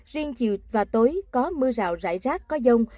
riêng chiều và tối có mưa rào rải rác có dông